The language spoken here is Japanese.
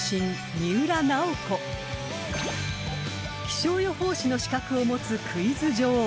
［気象予報士の資格を持つクイズ女王］